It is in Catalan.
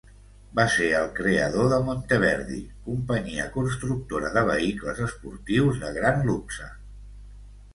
Va ser el creador de Monteverdi, companyia constructora de vehicles esportius de gran luxe.